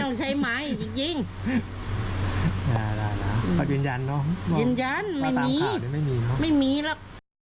ก็เย็นยันเนอะเย็นยันไม่มีไม่มีหรอก